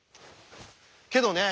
けどね